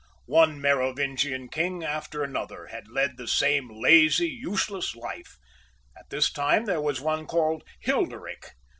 One Merovingian king after another had led the same lazy useless life ; at this time there was one called Hilderik.